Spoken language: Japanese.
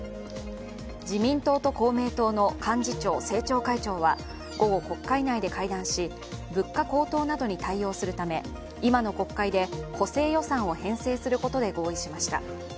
自民党と公明党の幹事長、政調会長は午後、国会内で会談し、物価高騰などに対応するため今の国会で補正予算を編成することで合意しました。